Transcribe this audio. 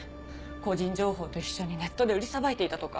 個人情報と一緒にネットで売りさばいていたとか。